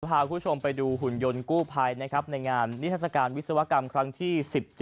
พาคุณผู้ชมไปดูหุ่นยนต์กู้ภัยนะครับในงานนิทัศกาลวิศวกรรมครั้งที่๑๗